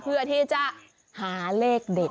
เพื่อที่จะหาเลขเด็ด